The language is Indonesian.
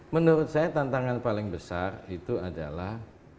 menurut saya tantangan paling besar itu adalah